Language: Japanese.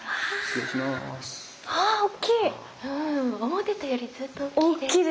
思ってたよりずっと大きい。